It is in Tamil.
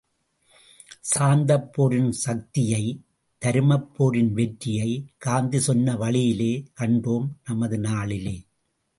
சாந்தப் போரின் சக்தியை, தருமப் போரின் வெற்றியை காந்தி சொன்ன வழியிலே கண்டோம் நமது நாளிலே!